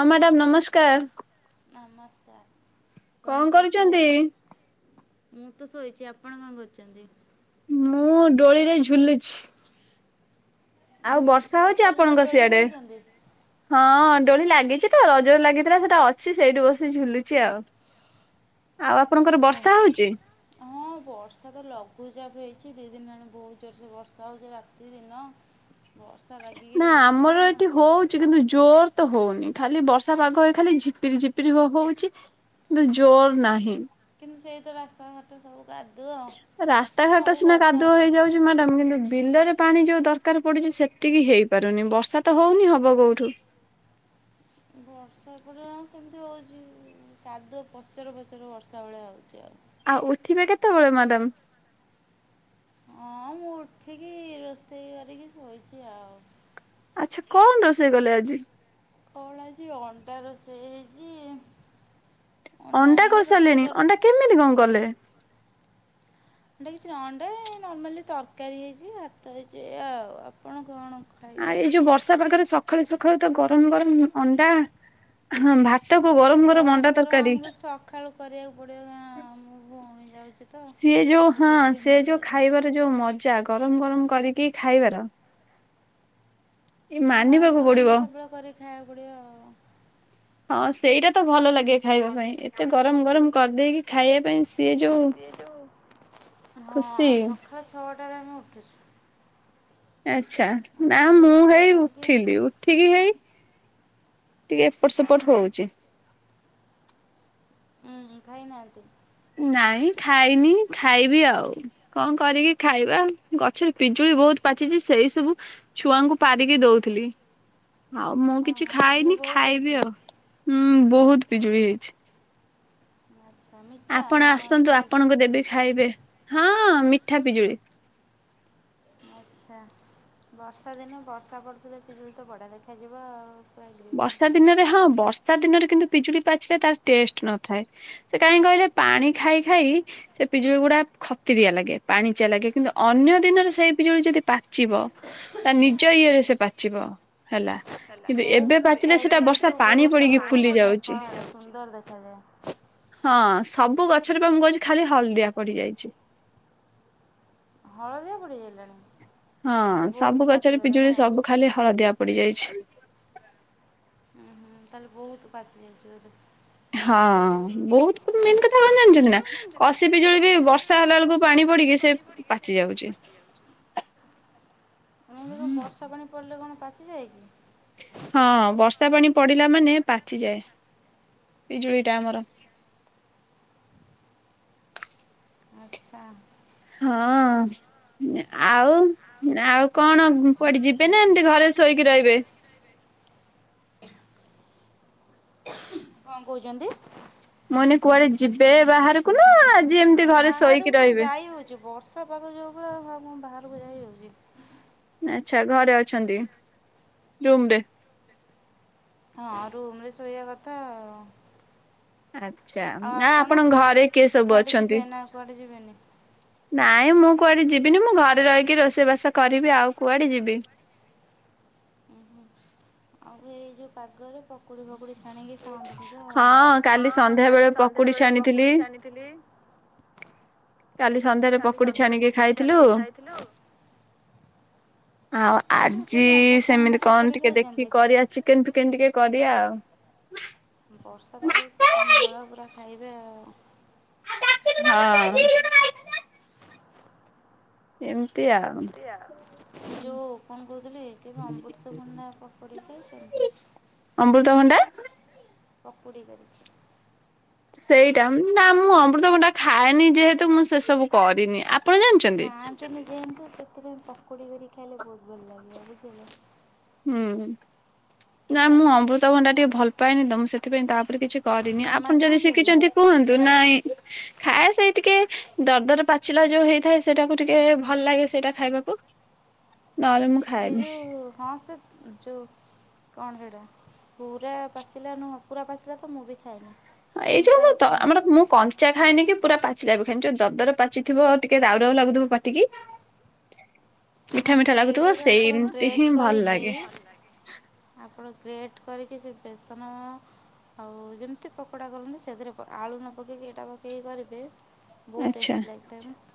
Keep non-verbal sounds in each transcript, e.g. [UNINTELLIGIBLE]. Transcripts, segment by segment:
ହଁ ମ୍ୟାଡ଼ାମ ନମସ୍କାର। ନମସ୍କାର। କଣ କରୁଛନ୍ତି? ମୁଁ ତ ଶୋଇଚି ଆପଣ କଣ କରୁଛନ୍ତି? ମୁଁ ଦୋଳିରେ ଝୁଲୁଛି। ଆଉ ବର୍ଷା ହଉଛି ଆପଣଙ୍କ ସିଆଡେ ହଁ। ଦୋଳି ଲାଗିଛି ତ ରଜରେ ଲାଗିଥିଲା ସେଇଟା ଅଛି ସେଇଠି ବସି ଝୁଲୁଛି ଆଉ। ଆଚ୍ଛା ହଁ ବର୍ଷା ତ ଲଘୁଚାପ ହେଇ ଅଛି ଦି ଦିନ ହେଲାଣି ବହୁତ ଜୋରସେ ବର୍ଷା ହଉଛି ରାତି ଦିନ। ନା ଆମର ଏଠି ହଉଛି କିନ୍ତୁ ଜୋର। ତ ହଉନି ଖାଲି ବର୍ଷା ପାଗ ହ ଖାଲି ଝିପିରି ଝିପିରିବୋ ବୋଉଛି କିନ୍ତୁ ଜୋର ନାହିଁ। ସେଇ ତ ରାସ୍ତାଘାଟ ସବୁ। ରାସ୍ତାଘାଟ ସିନା କାଦୁଅ ହେଇଯାଉଛି ମ୍ୟାଡାମ କିନ୍ତୁ ବିଲରେ। ପାଣି ଯୋଉ ଦରକାର ପଡୁଛି ସେତିକି ହେଇପାରୁନି ବର୍ଷା ତ ହଉନି ହବ କୋଉଠୁ। ବର୍ଷା ଏପଟେ ହ ସେମିତି ହଉଛି କାଦୁଅ ପଚର ପଚର ବର୍ଷା ଭଳିଆ ହଉଛି ଆଉ ଆଉ ଉଠିବେ କେତେବେଳେ ମ୍ୟାଡାମ। ହଉ ମୁଁ ଉଠିକି ରୋଷେଇ କରିକି ଶୋଇଛି ଆଉ। ଆଚ୍ଛା କଣ ରୋଷେଇ କଲେ ଆଜି? କଣ ଆଜି ଅଣ୍ଡା ରୋଷେଇ ହେଇଚି। ଅଣ୍ଡା କରିସାରିଲେଣି ଅଣ୍ଡା କେମିତି କଣ କଲେ? ଅଣ୍ଡା କିଛି ନାହି ଅଣ୍ଡା ନର୍ମାଲି ତରକାରୀ ହେଇଛି ଭାତ ହେଇଛି ଏୟା ଆପଣ କଣ। ଆଉ ଏଇ ଯୋଉ ବର୍ଷା ପାଗରେ ସକାଳୁ ସକାଳୁ ତ ଗରମ ଗରମ ଅଣ୍ଡା ହ ଭା ଗରମ ଗରମ ଆମକୁ ସକାଳୁ କରିବାକୁ ପଡିବ ଆମ ଭଉଣୀ। ସିଏ ଯୋଉ ହଁ ସେ ଯୋଉ ଖାଇବାର ଯୋଉ ମଜା ଗ ଗରମ ଗରମ କରିକି ଖାଇବାର। ଗରମ ଗରମ ତ ସବୁବେଳେ କରି ଖାଇବାକୁ ପଡିବ ଆଉ। ତ ଭଲ ଲାଗେ ଖାଇବା ପାଇଁ ଏତେ ଗରମ ଗରମ କରିଦେଇକି ଖାଇବା ପାଇଁ। ସେ ଯଉ ହଁ ସକାଳ ଛଅ ଟା ରେ ମୁଁ ଉଠୁଛୁ। ଆଚ୍ଛା ନା ମୁଁ ହେଇ ଉଠିଲି ଉଠିକି ହେଇ। ଟିକେ ଏପଟ ସେପଟ ହଉଛି। ହୁଁ ଖାଇ ନାହାନ୍ତି। ନାଇଁ ଖାଇନି ଖାଇବି ଆଉ କଣ କରିକି ଖାଇବା ଗଛରେ ପିଜୁଳି ବହୁତ ପାଚିଛି ସେଇ ସବୁ ଛୁଆଙ୍କୁ ପାରିକି ଦଉଥିଲି ଆଉ ମୁଁ କିଛି ଖାଇନି ଖାଇବି ଆଉ ହୁଁ ବହୁତ ପିଜୁଳି ହେଇଛି। ଆପଣ ଆସନ୍ତୁ ଆପଣଙ୍କୁ ଦେବି ଖାଇବେ ହଁ ମି ଠା ପିଜୁଳି ବର୍ଷା ଦିନେ ବର୍ଷା ପଡୁଥିଲେ ପଜୁଳି ତ ବଢିଆ ଦେଖାଯିବ ଆଉ ବର୍ଷା ଦିନରେ ହଁ ବର୍ଷା ଦିନରେ କିନ୍ତୁ ପିଜୁଳି ପାଚିଲେ ତାର ଟେଷ୍ଟ ନଥାଏ ସେ କାହିଁକି କହିଲ ପାଣି ଖାଇ ଖାଇ ସେ ପିଜୁଳି ଗୁଡା ଖତିରିଆ ଲାଗେ ପାଣି ଚିଆ ଲାଗେ କିନ୍ତୁ ଅନ୍ୟ ଦିନରେ ସେ ଏ ପିଜୁଳି ଯଦି ପାଚିବ ତା ନିଜ ଇଏରେ ସେ ପାଚିବ ହେଲା ଟେଷ୍ଟ ନା ଏବେ ପାଚିଲେ ସେଟା ବର୍ଷା ପାଣି ପଡ଼ିକି ସୁନ୍ଦର ଦେଖାଯାଏ ହଁ ସବୁ ଗଛରେ ପା ମୁଁ କହୁଛି ଖାଲି ହଳଦିଆ ପଡିଯାଇଛି। ହଳଦିଆ ପଡି ଆଇଲାଣି, ହଁ ସବୁ ଗଛରେ ପିଜୁଳି ସବୁ ଖାଲି ହଳଦିଆ ପଡିଯାଇଛି ହୁଁ ହୁଁ ତାହେଲେ ବହୁତ ପାଚି ଯାଇଚି ବୋଧେ। ହଁ ବହୁତ ମେନ୍ କଥା କଣ ଜାଣିଛନ୍ତି ନା କଷି ପିଜୁଳି ବି ବର୍ଷା ହେଲା ବେଳକୁ ପାଣି ପଡିକି ସେ ପାଚି ଯାଉଛି ଏମିତି ଯୋଉ ବର୍ଷା ପାଣି ପଡିଲେ କଣ ପାଚିଯାଏ କି? ହଁ ବର୍ଷା ପାଣି ପଡିଲା ମାନେ ପାଚିଯାଏ। ପିଜୁଳିଟା ଆମର। ଆଚ୍ଛା। ହଁ। ଆଉ, ଆଉ କଣ କୁଆଡେ ଯିବେ ନା ଏମିତି ଘରେ ଶୋଇକି ରହିବେ? କଣ କହୁଛନ୍ତି? ମାନେ କୁଆଡେ ଯିବେ ବାହାରକୁ ନା ବାହାରକୁ କଣ ଯାଇ ହଉଛି, ବର୍ଷା ପାଗ ଯୋଉ ଭଳିଆ ଆଉ କଣ ବାହାରକୁ ଯାଇ ହଉଛି। ଆଚ୍ଛା। ଘରେ ଅଛନ୍ତି। ରୁମରେ? ହଁ ରୁମରେ ଶୋଇଆ କଥା ଆଉ। ଆଚ୍ଛା। ନା ଆପଣଙ୍କ ଘରେ କିଏ ସବୁ ଅଛନ୍ତି? ନା ନାଇଁ ମୁଁ କୁଆଡେ ଯିବିନି, ମୁଁ ଘରେ ରହିକି ରୋଷେଇ ବାସ କରିବି ଆଉ କୁଆଡେ ଯିବି। [INAUDIBLE] ଆଉ ଏଇ ଯୋଉ ପାଗରେ ପକୁଡି ଫକୁଡି ଛାଣିକି ଖାଉଥିବ ଆଉ। ହଁ, କାଲି ସନ୍ଧ୍ୟାବେଳେ ପକୁଡି ଛାଣିଥିଲି। କାଲି ସନ୍ଧ୍ୟାରେ ପକୁଡ଼ି ଛାଣିକି ଖାଇଥିଲୁ ଆଉ ଆଜି ସେମିତି କଣ ଟିକେ ଦେଖିକି କରିଆ, ଚିକେନ ଫିକେନ ଟିକେ କରିଆ ଆଉ। ବର୍ଷା ପାଗକୁ ଚିକେନ ଝୋଳ ପୁରା ଖାଇବେ ଆଉ। ହଁ। ଏମ୍ ଏମତି ଆଉ। ଯୋଉ କଣ କହୁଥିଲି, କେବେ ଅମୃତଭଣ୍ଡା ପକୁଡି ଖାଇଛନ୍ତି? ଅମୃତଭଣ୍ଡା ପକୁଡ଼ି କରିଛିି। ସେଇଟା, ନା ମୁଁ ଅମୃତଭଣ୍ଡା ଖାଏନି ଯେହେତୁ ମୁଁ ସେସବୁ କରିନି। ଆପ୍ ଖାଆନ୍ତିନି ଯେଇଁତି, ସେଥିରେ ପକୁଡି କରି ଖାଇଲେ ବହୁତ ଭଲ ଲାଗିବ ବୁଝିଲେ। ହୁଁ। ନା ମୁଁ ଅମୃତଭଣ୍ଡା ଟିକେ ଭଲ ପାଏନି ତ, ମୁଁ ସେଥିପାଇଁ ତା ସେଥିରେ କିଛି କରିନି। ଆପଣ ଯଦି ଶିଖିଚନ୍ତି କୁହନ୍ତୁ, ନାଇଁ ଖାଏ, ସେଇ ଟିକେ ଦରଦର ପାଚିଲା ଯୋଉ ହେଇଥାଏ, ସେଇଟାକୁ ଟିକେ ଭଲ ଲାଗେ ସେଇଟା ଖାଇବାକୁ। ନହେଲେ ମୁଁ ଖାଏନି। ଯୋଉ, କଣ ସେଇଟା? ପୁରା ପାଚିଲା ନୁହଁ, ପୁରା ପାଚିଲା ତ ମୁଁ ବି ଖାଏନି। ଏଇ ଯୋଉ ଆମ ଆମର, ମୁଁ କଞ୍ଚା ଖାଏନି କି, ପୁରା ପା ପାଚିଲା ବି ଖାଇବିନି। ଯୋଉ ଦରଦର ପାଚିଥିବ, ଆଉ ଟିକେ ରାଉରାଉ ଲାଗୁଥିବ ପାଟିକି ହଁ ସେଇଟା ବି ଆପଣ ଗ୍ରେଟ କରିକି, ଆପଣ ଗ୍ରେଟ କରିକି, ସିଏ ବେସନ ଆଉ ଯେମତି ପକୋଡା କରନ୍ତି, ସେଧିରେ ଆଳୁ ନ ପକେଇକି ଏଇଟା ପକେଇକି କରିବେ ବହୁତ ଟେଷ୍ଟି ଲାଗଥାଏ ବା।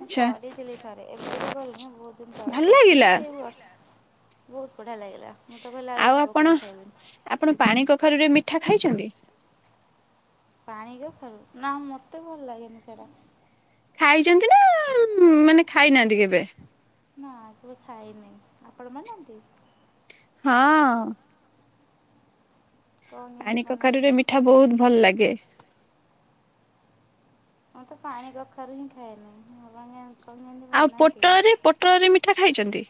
ମୁଁ କରିଥିଲି ଥରେ। ଏବେ [UNINTELLIGIBLE] କେତ ଦିନ ତଳେ କରିଥିଲି, ଏ ବର୍ଷ ବହୁତ ବଢିଆ ଲାଗିଲା। ମୁଁ ତ କହିଲି ଆଉ କିଛି ପକୁଡି ଖାଇବିନି। ମିଠା ଖାଇଛନ୍ତି? ପାଣିିକଖାରୁ? ନା ମତେ ଭଲ ଲାଗେନି ସେଟା। ଖାଇଛନ୍ତି ନା ମାନେ ଖାଇନାହାଁନ୍ତି କେବେ? ନା କେବେ ଖାଇନି। ଆପଣ ମାନନ୍ତି? ହଁ। ପାଣିକଖାରୁୁରେ ମିଠା ବହୁତ ଭଲ ଲାଗେ। ମୁଁ ତ ପାଣିକଖାରୁ ହିଁ ଖାଏନେଇ। ଅଲଣିଆ ଆଉ ପୋଟଳରେ, ପୋଟଳରେ ମିଠା ଖାଇଚନ୍ତି?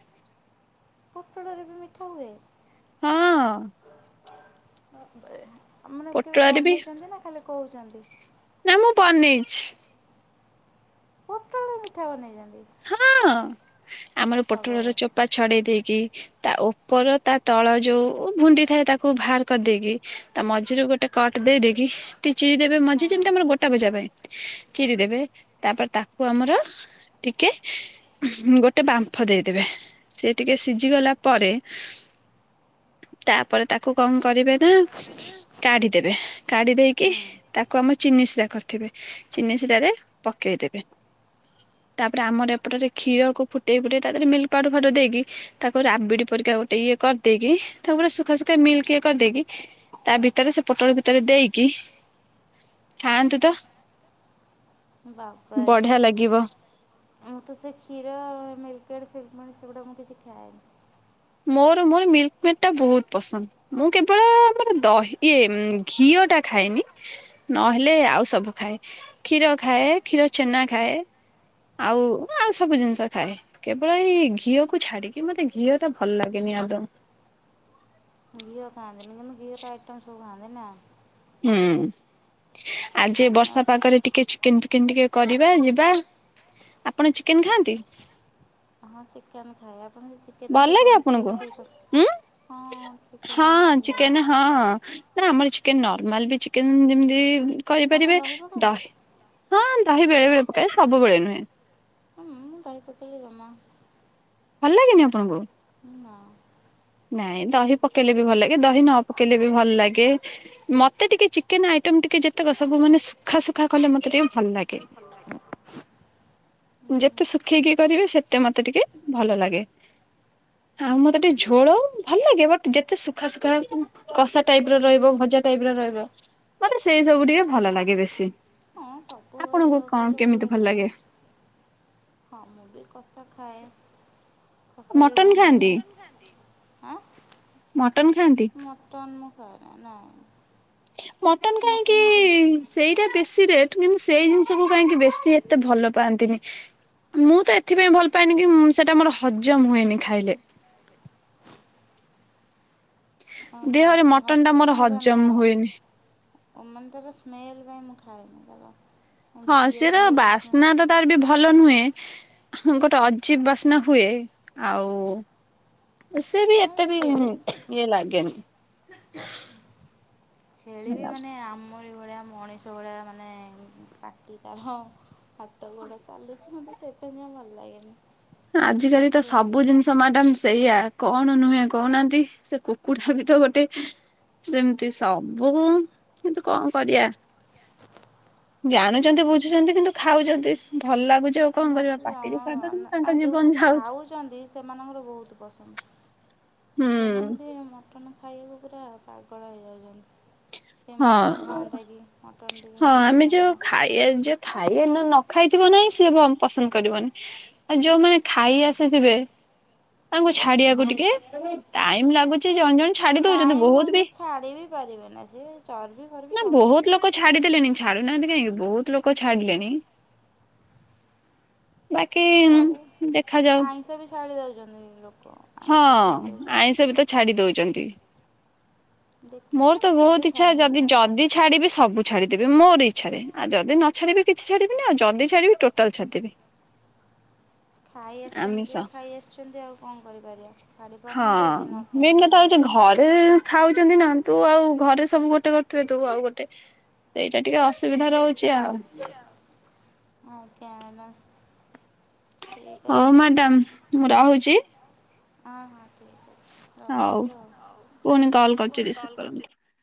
ପୋଟଳରେ ବି ମିଠା ହୁଏ? ଆ ମାନେ କେବେ ବନେଇଛନ୍ତି ନା ଖାଲି କହୁଛନ୍ତି? ଛି କୋଟା ମିଠା ବନେଇା [UNINTELLIGIBLE] ହଁ, ଆମର ପୋଟଳ ର ଚୋପା ଛଡେଇ ଦେଇକି ତା ଉପର ତା ତଳ ଯୋଉ ଭୁଣ୍ଡି ଥାଏ ତାକୁ, ବାହାର କରିଦେଇକି, ତା ମଝିରେ ଗୋଟେ କଟ ଦେଇ ଦେ କିି ଚିରି ଦେବେ ମଝି ଯେମିତି ଆମର ଗୋଟା ଭଜା ପାଇଁ, ଚିରି ଦେବେ, ତାପରେ ତାକୁ ଆମର ଟିକେ, ଗୋଟେ ବାମ୍ଫ ଦେଇଦେବେ। ସେ ଟିକେ ସିଝିଗଲା ପରେ ତାପରେ ତାକୁ କଣ କରିବେ ନା କାଢିଦେବେ। କାଢି ଦେଇକି, ତାକୁ ଆମେ ଚିନି ସିରା କରିଥିବେ, ଚିନି ସିରାରେ ପକେଇଦବେ। ତାପରେ ଆମର ଏପଟରେ କ୍ଷୀରକୁ ଫୁଟେଇ ଫୁଟେଇ ତା ଦେହରେ ମିଲ୍କ ପାଉଡର, ଫାଉଡର ଦେଇକି ତାକୁ ରାବିଡି ପରିକା, ଗୋଟେ ଇଏ କରିଦେଇକି ତାକୁା ସୁଖା ସୁୁଖା ମିଲିକିଏ କରିଦେଇକି, ତା ଭିତରେ ସେ ପୋଟଳ ଭିତରେ ଦେଇକି ଖାଆନ୍ତୁ ତ, ବଢିଆ ଲାଗିବ। ମୁଁ ତ ସେ କ୍ଷୀର, ସେଗୁଡା ମୁଁ କିଛି ଖାଏ ନି। ମୋର, ମୋର ମିଲ୍କ ମେଟ ଟା ବହୁତ ପସନ୍ଦ, ମୁଁ କେବଳ ଆମର ଦହି ଇ ଘିଅ ଟା ଖା ଖାଏନି, ନହେଲେ ଆଉ ସବୁ ଖାଏ, କ୍ଷୀର ଖାଏ, କ୍ଷୀର ଛେନା, ଖାଏ ଆଉ ଆଉ ସବୁ ଜିନିଷ ଖାଏ, କେବଳ ଏଇ ଘିଅକୁ ଛାଡିକି, ମତେ ଘିଅ ଟା ଭଲ ଲାଗେନି। ଦ [UNINTELLIGIBLE] ଘିଅ ଖାଆନ୍ତିିନି କିନ୍ତୁ ଘିଅର ଆଇଟସ ଖାନ୍ତି ନା? ହୁଁ, ଆଜି ବର୍ଷା ପାଗରେ ଟିକେ ଚିକେନ ଚିକେନ ଟିକେ କରିବା, ଯିବା, ଆପଣ ଚିକେନ ଖାଆନ୍ତି ହଁ ଚିକେନ ଖାଏ, ଆପଣ ଯ ଚିକେନରେ ଯୋଉ ଦହି ଫହି ପକେଇକି କର ହଁ ଚିକେନ ହଁଁ, ନା ଆମର ଚି ନର୍ମାଲ ବି ଚିକେନ ଯେମତି କରିପାରିବେ, ଦହି ହଁ ଦହି ବେଳେ ବେଳେ ପକାଏ, ସବୁବେଳେ ନୁହେଁ। ହଁ ମୁଁ ଗାଇ କତଲି ରାମ [UNINTELLIGIBLE] ଭଲ ଲାଗେନି ଆପଣଙ୍କୁ? ନାଇଁ ଦହି ପକେଇଲେ ବି ଭଲ ଲାଗେ, ଦହି ନ ପକେଇଲେ ବି ଭଲ ଲାଗେ, ମତେ ଟିକେ ଚିକେନ ଆଇଟମ ଟିକେ ଯେତେକ ସବୁ ମାନେ ସୁଖା ସୁୁଖା କଲେ ମତେ ଟିକେ ଭଲ ଲାଗେ। ଯେତେ ଶୁଖେଇକି କରିବେ, ସେତେ ମତେ ଟିକେ ଭଲ ଲାଗେ। ହଉ ମତେ ଟିକେ ଝୋଳ ଭଲ ଲାଗେ ବଟ ଯେତେ ସୁଖା ସୁୁଖା କଷା ଟାଇପ ର ରହିବ, ଭଜା ଟାଇପ ର ରହିବ ମ ସେଇ ସବୁ ଟିକେ ଭଲ ଲାଗେ ବେଶୀ। ହଁ ସବୁବେଳେ ଝୋଳ ଖାଇଲେ ଭଲ ଲାଗିବନି। ହଁ ମୁଁ ବି କସା ଖାଏ। କସା ବି ଭଲ ଲାଗେ, ମଟନ ଖାଆନ୍ତି? ଆଁ ମଟନ ମୋ ଖରା ନାଇଁ। ମଟନ କାହିଁକି? ସେଇଟା ବେଶୀ ରେଟ କିନ୍ତୁ ସେଇ ଜିନିଷକୁୁ କାହିଁକି ବେଶୀ ଏତେ ଭଲ ପାଆନ୍ତିନି। ମୁଁ ତ ଏଥିପାଇଁ ଭଲ ପାଏନି କି -ସେଟା ମୋର ହଜମ ହୁଏନି ଖାଇଲେ। ଦେହରେ ମଟନ ଟା ମୋର ହଜମ ହୁଏନି। ଓମାନେ ତାର ସ୍ମେଲ ପାଇଁ ମୁଁ ଖାଏନି, ତାର ହଁ, ସିଏ ତ ବାସ୍ନା ତ ତାର ବି ଭଲ ନୁହେଁ। ମୁଁ ଗୋଟେ ଅଜୀବ ବାସ୍ନା ହୁଏ ଆଉ ସେ ବି ଏତେ ବି ଇଏ ଲାଗେନି। ଛେଳି ବି ମାନେ ଆମ ଭଳିଆ, ମଣିଷ ଭଳିଆ ମାନେ, ପାଟି ତାର, ହାତ ଗୋଡ ଚାଲୁଛି ମତେ ସେଥିପାଇଁ ଭଲ ଲାଗେନି। ଆଜିକାଲି ତ ସବୁ ଜିନିଷ ମାଡ଼ାମ୍ ସେଇଆ, କଣ ନୁହେଁ କହୁନାହାନ୍ତି? ସେ କୁକୁଡା ବି ତ ଗୋଟେ ସେମିତି ସବୁ କୁ କିନ୍ତୁ କଣ କରିବା? ଜାଣୁଛନ୍ତି ବୁଝୁଛନ୍ତି କିନ୍ତୁ ଖାଉଛନ୍ତି ଭଲ ଲାଗୁଛି ଆଉ କଣ କରିବା ପାଟିିରେ ସ୍ୱାଦ କିନ୍ତୁ ଆ ଯଉମାନେ ଖାଉଛନ୍ତି ସେମାନଙ୍କର ବହୁତ ପସନ୍ଦ। ସେମାନେ ଟିକେ ମଟନ ଖାଇବାକୁ ପୁରା ପାଗଳ ହେଇଯାଉଛନ୍ତି। ହଁ ହଁ ଆମେ ଯୋଉ ଖାଇଆ ଯଉ ଖାଇଆ ନା ନ ଖାଇଥିବ ନାହିଁ ସିଏ ବରଂ ପସନ୍ଦ କରିବନି ଆଉ ଯୋଉମାନେ ଖାଇ ଆସିଥିବେ। ତାଙ୍କୁ ଛାଡିବାକୁ ଟିକେ ଟାଇମ ଲାଗୁଛି ଜଣ ଜଣ ଟାଇମ୍ କଣ ସେ ଛାଡି ବିି ପାରିବେନି ସିଏ ଚର୍ବି ଫର୍ବି ସବୁ ଖାଇବେ। ଛାଡୁନାହାନ୍ତି କାହିଁକି ବହୁତ ଲୋକ ଛାଡିଲେଣି। ବାକି ଉଁ ଦେଖାଯାଉ। ଯେ ନାଇ ଲୋ। ହଁ ଆଇଁଷ ବି ତ ଛାଡି ଦଉଛନ୍ତି। ମୋର ତ ବହୁତ ଇଚ୍ଛା ଯଦି ଯଦି ଛାଡିବି ସବୁ ଛାଡିଦେବି ମୋର ଇଚ୍ଛାରେ ଆଉ ଯଦି ନ ଛାଡିବି କିଛି ଛାଡିବିନି ଆଉ ଯଦି ଛାଡିବି ଟୋଟାଲ ଛାଡି ଦେବି। ଖାଇ ଆସିଛନ୍ତି ଯିଏ ଖାଇ ଆସିଛନ୍ତି ଆଉ କଣ କରିପାରିବା ଛାଡି ପାରୁନାହାନ୍ତି ଯିଏ ନ ଖାଇଛନ୍ତି ନ ଖାଇ ଘରେ ଖାଉଛନ୍ତି ନା ତୁ ଆଉ ଘରେ ସବୁ ଗୋଟେ କରୁଥିବେ ତୁ ଆଉ ଗୋଟେ। ସେଇଟା ଟିକେ ଅସୁବିଧା ରହୁଛି ଆଉ। ଆଉ କେ ହେଲା। ହଉ ମ୍ୟାଡାମ ମୁଁ ରହୁଛି। ହଁ ହଁ ଠିକ ଅ ଆଉ ପୁଣି କଲ କରୁଛି ରିସିଭ କରନ୍ତୁ।